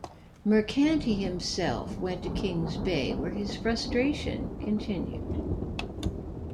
Mercanti himself went to Kings Bay where his frustration continued.